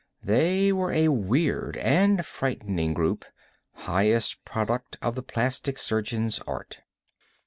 They were a weird and frightening group, highest product of the plastic surgeon's art.